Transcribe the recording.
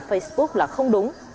facebook là không đúng